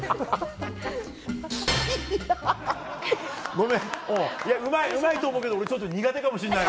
ごめん、いや、うまい、うまいと思うけど、俺、ちょっと苦手かもしれない。